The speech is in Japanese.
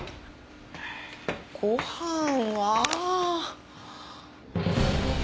ご飯は？